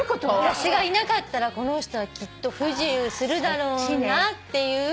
私がいなかったらこの人はきっと不自由するだろうなっていう。